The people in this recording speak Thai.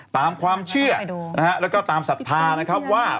ตามความเชื่อและก็ตามศัฒนานะครับว่า